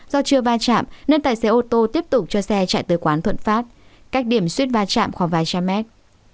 do chưa va chạm nên tài xế ô tô tiếp tục cho xe chạy tới quán thuận phát cách điểm suýt va chạm khoảng vài trăm mét